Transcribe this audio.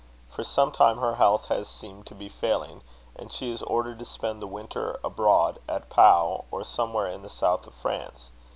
For some time her health has seemed to be failing, and she is ordered to spend the winter abroad, at Pau, or somewhere in the south of France.